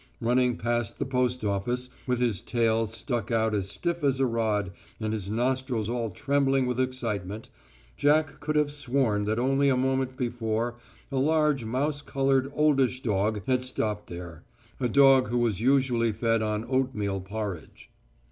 Running past the post office, with his tail stuck out as stiff as a rod and his nostrils all trembling with excitement, Jack could have sworn that only a moment before a large, mouse coloured, oldish dog had stopped there, a dog who was usually fed on oatmeal porridge.